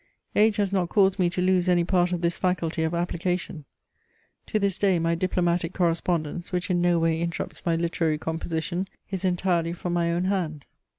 Age has not caused me to lose any part of this faculty of application: to this day my diplomatic correspondence, which in no way interrupts my literary composition, is entirely from my own hand.